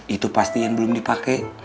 itu pastinya yang belum dipake